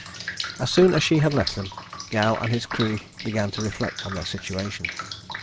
As soon as she had left them, Gow and his crew began to reflect on their situation.